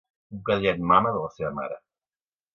Un cadellet mama de la seva mare.